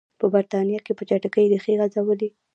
په برېټانیا کې په چټکۍ ریښې غځولې.